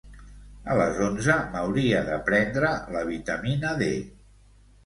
A les onze m'hauria de prendre la vitamina D.